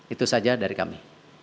itu saja dari kami